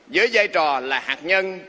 với giai trò là hạt nhân